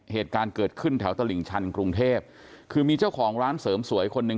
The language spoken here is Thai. เหตุการณ์เกิดขึ้นแถวตลิ่งชันกรุงเทพคือมีเจ้าของร้านเสริมสวยคนหนึ่ง